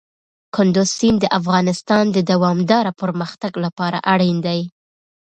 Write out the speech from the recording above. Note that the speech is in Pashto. کندز سیند د افغانستان د دوامداره پرمختګ لپاره اړین دی.